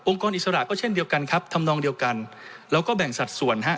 อิสระก็เช่นเดียวกันครับทำนองเดียวกันเราก็แบ่งสัดส่วนฮะ